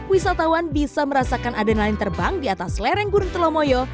wisatawan bisa merasakan adanya lain terbang di atas lereng gurung telomoyo